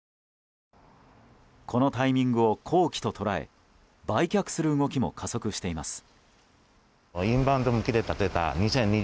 このタイミングを好機と捉え売却する動きも加速しています。